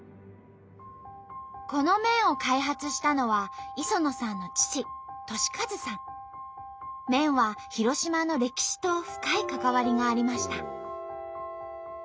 この麺を開発したのは磯野さんの麺は広島の歴史と深い関わりがありました。